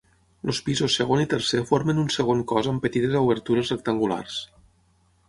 Els pisos segon i tercer formen un segon cos amb petites obertures rectangulars.